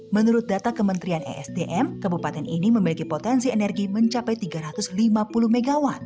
menurut data kementerian esdm kabupaten ini memiliki potensi energi mencapai tiga ratus lima puluh mw